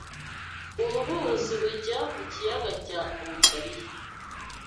Uru ruzi rujya mu kiyaga cya Ontario.